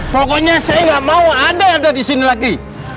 pokoknya saya nggak mau ada ada di sini lagi